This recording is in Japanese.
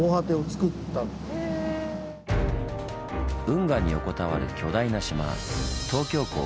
運河に横たわる巨大な島